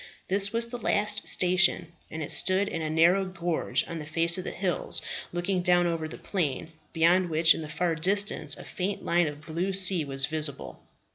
This was the last station, and stood in a narrow gorge on the face of the hills looking down over the plain, beyond which in the far distance a faint line of blue sea was visible.